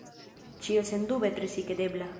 Ĉio sendube tre psikedela.